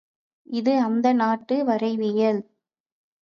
இது அந்த நாட்டு வரைவியல்.